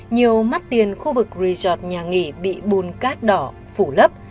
nhiều mắt tiền khu vực resort nhà nghỉ bị bùn cát đỏ phủ lấp